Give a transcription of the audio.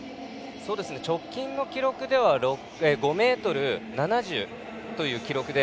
直近の記録では５ｍ７０という記録で。